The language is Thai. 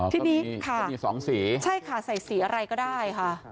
ที่นี่ค่ะใช่ค่ะใส่สีอะไรก็ได้ครับ